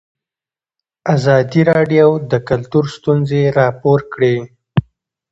ازادي راډیو د کلتور ستونزې راپور کړي.